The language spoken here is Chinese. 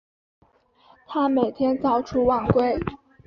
他每天早出晚归